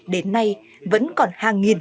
đến nay vẫn còn hàng nghìn